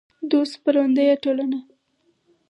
دوست خپرندویه ټولنه